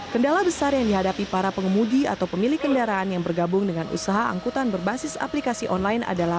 kendala besar yang dihadapi para pengemudi atau pemilik kendaraan yang bergabung dengan usaha angkutan berbasis aplikasi online adalah